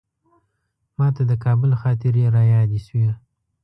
ماته د کابل خاطرې رایادې شوې.